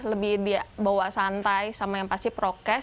lebih dibawa santai sama yang pasti prokes